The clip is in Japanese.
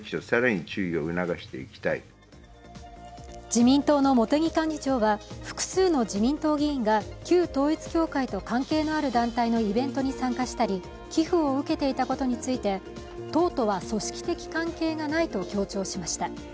自民党の茂木幹事長は複数の自民党議員が旧統一教会と関係のある団体のイベントに参加したり寄付を受けていたことについて、党とは組織的関係がないと強調しました。